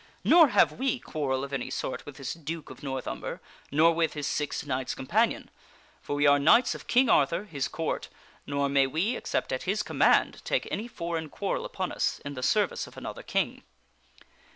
Nor have we quarrel of any sort with this Duke of North Umber, nor with his six knights companion. For we are knights of King Arthur, his Court, nor may we, except at his command, . take any foreign quarrel upon us in the service of another king."